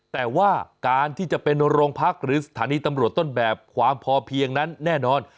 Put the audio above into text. แต่ว่าการที่จะเป็นโรงพักหรือสถานีตำรวจต้นแบบความพอเพียงนั้นแน่นอน